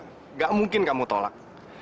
nggak mungkin kamu tolak